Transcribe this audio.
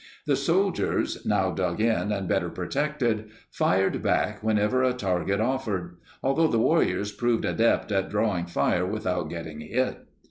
The soldiers, now dug in and better protected, fired back whenever a target of fered, although the warriors proved adept at drawing fire without getting hit.